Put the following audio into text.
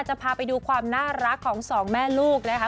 จะพาไปดูความน่ารักของสองแม่ลูกนะคะ